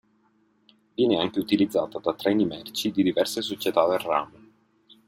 Viene anche utilizzata da treni merci di diverse società del ramo..